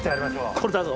これだぞ。